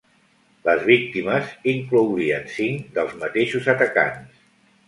Les víctimes inclourien cinc dels mateixos atacants.